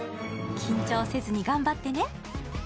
緊張せずに頑張ってね！